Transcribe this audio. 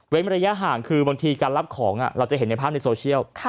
ระยะห่างคือบางทีการรับของเราจะเห็นในภาพในโซเชียล